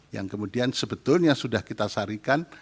yang kemudian sebetulnya sudah kita sarikan